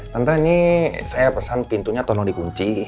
tante ini saya pesan pintunya tono dikunci